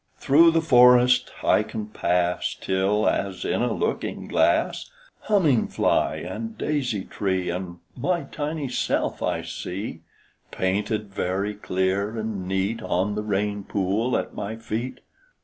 Through the forest I can pass Till, as in a looking glass, Humming fly and daisy tree And my tiny self I see, Painted very clear and neat On the rain pool at my feet.